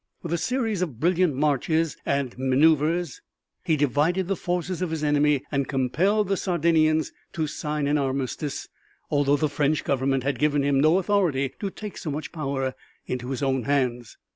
With a series of brilliant marches and maneuvers he divided the forces of his enemy and compelled the Sardinians to sign an armistice, although the French Government had given him no authority to take so much power into his own hands.